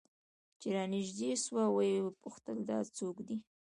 چې رانژدې سوه ويې پوښتل دا څوك دى؟